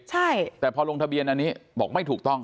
ใช่แต่พอลงทะเบียนอันนี้บอกไม่ถูกต้อง